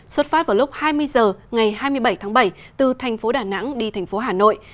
xuất phát vào lúc hai mươi h ngày hai mươi bảy tháng bảy từ thành phố đà nẵng đi thành phố hà nội